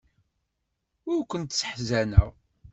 Ur kent-sseḥzaneɣ.